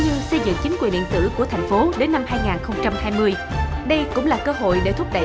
nhưng xây dựng chính quyền điện tử của thành phố đến năm hai nghìn hai mươi đây cũng là cơ hội để thúc đẩy